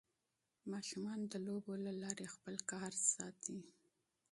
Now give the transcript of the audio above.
ماشومان د لوبو له لارې خپل غوسه کنټرولوي.